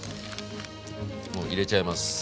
もう入れちゃいます。